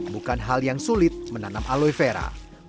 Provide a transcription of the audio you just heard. bukan hal yang sulit menanam aloe vera